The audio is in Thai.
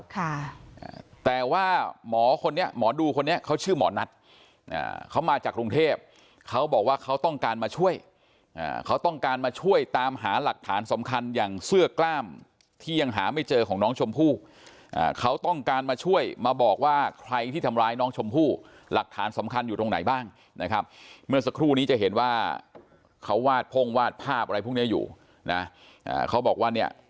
ค่ะอ่าแต่ว่าหมอคนนี้หมอดูคนนี้เขาชื่อหมอนัทอ่าเขามาจากกรุงเทพเขาบอกว่าเขาต้องการมาช่วยอ่าเขาต้องการมาช่วยตามหาหลักฐานสำคัญอย่างเสื้อกล้ามที่ยังหาไม่เจอของน้องชมพู่อ่าเขาต้องการมาช่วยมาบอกว่าใครที่ทำร้ายน้องชมพู่หลักฐานสำคัญอยู่ตรงไหนบ้างนะครับเมื่อสักครู่นี้จะเห็นว่าเขาวาดพ่งวาดภาพอะไรพวกเนี้ยอยู่นะอ่าเขาบอกว่าเนี่ย